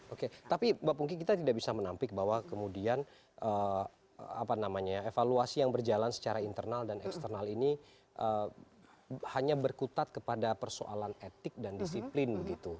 oke tapi mbak pungki kita tidak bisa menampik bahwa kemudian evaluasi yang berjalan secara internal dan eksternal ini hanya berkutat kepada persoalan etik dan disiplin begitu